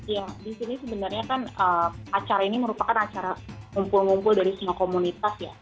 ya di sini sebenarnya kan acara ini merupakan acara ngumpul ngumpul dari semua komunitas ya